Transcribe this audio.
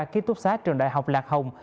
khi tốt xá trường đại học lạc hồng